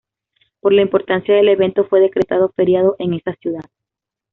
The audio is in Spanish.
Por la importancia del evento fue decretado feriado en esa ciudad.